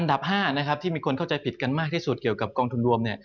๕นะครับที่มีคนเข้าใจผิดกันมากที่สุดเกี่ยวกับกองทุนรวม